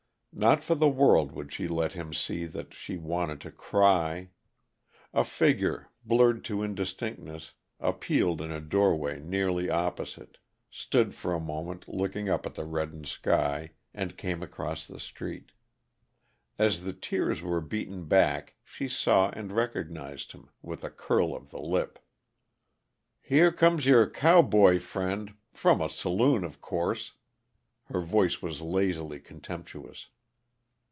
Not for the world would she let him see that she wanted to cry! A figure, blurred to indistinctness, appealed in a doorway nearly opposite, stood for a moment looking up at the reddened sky, and came across the street. As the tears were beaten back she saw and recognized him, with a curl of the lip. "Here comes your cowboy friend from a saloon, of course." Her voice was lazily contemptuous.